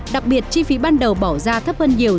đặc biệt chi phí ban đầu bỏ ra thấp hơn nhiều